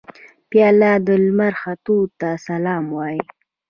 پیاله د لمر ختو ته سلام وايي.